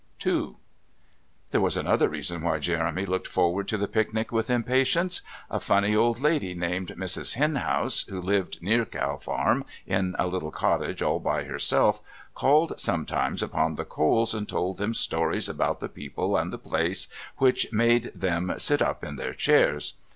II There was another reason why Jeremy looked forward to the picnic with impatience. A funny old lady, named Miss Henhouse, who lived near Cow Farm in a little cottage all by herself, called sometimes upon the Coles and told them stories about the people and the place, which made them "sit up in their chairs."